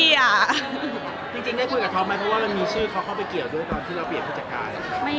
ได้คุยกับเขาก่ะเพราะมีชื่อเขาไปเกี่ยว